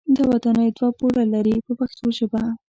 دا ودانۍ دوه پوړه لري په پښتو ژبه.